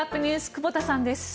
久保田さんです。